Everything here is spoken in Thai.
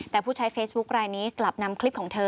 แต่ผู้ใช้เฟซบุ๊คลายนี้กลับนำคลิปของเธอ